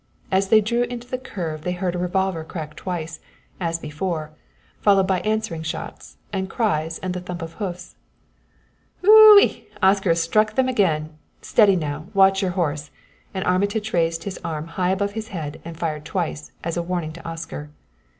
As they drew into the curve they heard a revolver crack twice, as before, followed by answering shots and cries and the thump of hoofs. "Ohee! Oscar has struck them again. Steady now! Watch your horse!" And Armitage raised his arm high above his head and fired twice as a warning to Oscar.